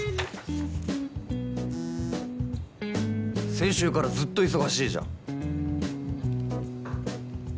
「先週からずっと忙しいじゃん」